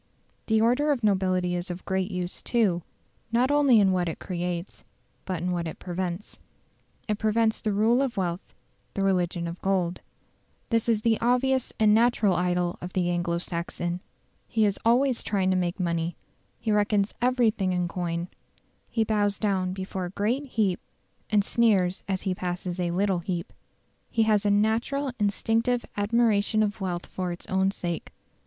The order of nobility is of great use, too, not only in what it creates, but in what it prevents. It prevents the rule of wealth the religion of gold. This is the obvious and natural idol of the Anglo Saxon. He is always trying to make money; he reckons everything in coin; he bows down before a great heap and sneers as he passes a little heap. He has a "natural instinctive admiration of wealth for its own sake".